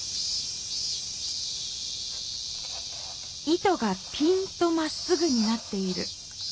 糸がぴんとまっすぐになっている。